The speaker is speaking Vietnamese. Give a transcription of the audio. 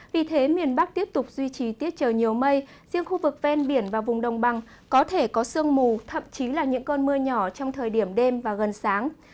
vì thế miền bắc tiếp tục duy trì tiết trời nhiều mây riêng khu vực ven biển và vùng đồng bằng có thể có sương mù thậm chí là những cơn mưa nhỏ trong thời điểm đêm và gần sáng